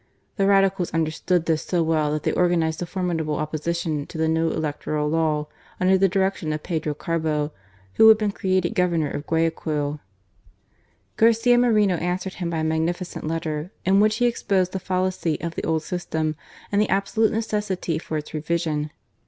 The Radicals understood this so well that they organized a formidable opposition to the GARCIA MORENO PRESIDENT. 105 new electoral law under the direction of Pedro Carbo, who had been created Governor of Guayaquil. Garcia Moreno answered him by a magnificent letter, in which he exposed the fallacy of the old system and the absolute necessity for its revision.